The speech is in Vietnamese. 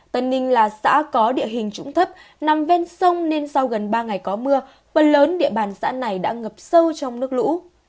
tân ninh là xã có địa hình trũng thấp nằm ven sông nên sau gần ba ngày có mưa phần lớn địa bàn xã này đã ngập sâu trong nước lũ